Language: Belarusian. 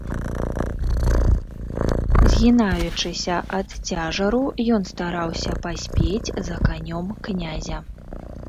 Згінаючыся ад цяжару, ён стараўся паспець за канём князя.